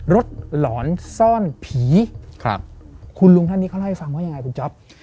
หลอนซ่อนผีครับคุณลุงท่านนี้เขาเล่าให้ฟังว่ายังไงคุณจ๊อป